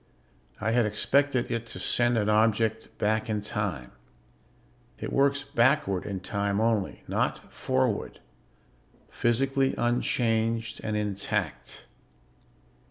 I had expected it to send an object back in time it works backward in time only, not forward physically unchanged and intact.